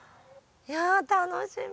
いや楽しみ。